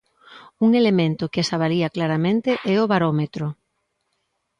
Un elemento que as avalía claramente é o Barómetro.